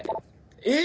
え